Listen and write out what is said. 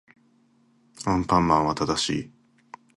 アンパンマンは正しい